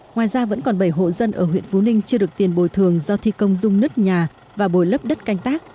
ngoài ra vẫn còn bảy hộ dân ở huyện vũ ninh chưa được tiền bồi thường do thi công dung nứt nhà và bồi lấp đất canh tác